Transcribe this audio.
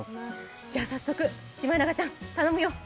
早速、シマエナガちゃん、頼むよ。